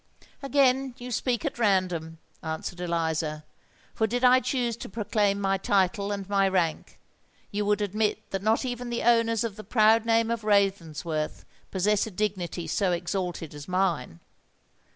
"Again you speak at random," answered Eliza; "for did I choose to proclaim my title and my rank, you would admit that not even the owners of the proud name of Ravensworth possess a dignity so exalted as mine.